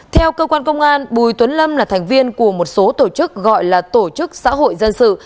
theo cơ quan công an bùi tuấn lâm là thành viên của một số tổ chức gọi là tổ chức xã hội dân sự